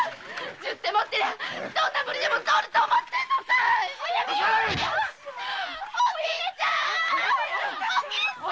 十手持ってりゃどんな無理でも通ると思ってんのかいおきちちゃん‼